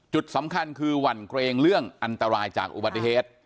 จุดสำคัญคือหวั่นเกรงเรื่องอันตรายจากอุบัติเหตุ